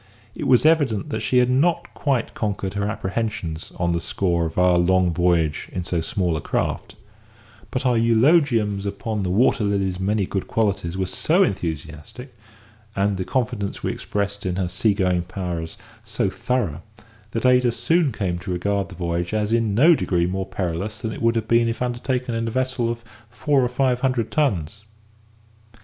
It was evident that she had not quite conquered her apprehensions on the score of our long voyage in so small a craft; but our eulogiums upon the Water Lily's many good qualities were so enthusiastic, and the confidence we expressed in her sea going powers so thorough, that Ada soon came to regard the voyage as in no degree more perilous than it would have been if undertaken in a vessel of four or five hundred tons.